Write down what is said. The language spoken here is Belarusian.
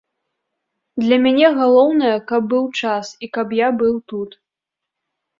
Для мяне галоўнае, каб быў час і каб я быў тут.